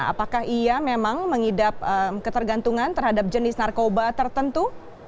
apakah ia memang mengidap ketergantungan terhadap jenis narkoba tertentu